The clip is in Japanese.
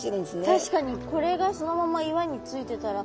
確かにこれがそのまま岩についてたら。